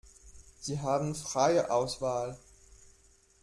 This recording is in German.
Sie haben freie Auswahl.